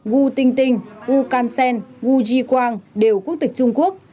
wu tinh tinh wu can sen wu ji guang đều quốc tịch trung quốc